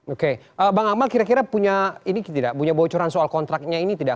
oke bang amal kira kira punya bocoran soal kontraknya ini tidak